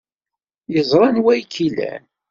Yeẓra anwa ay k-ilan.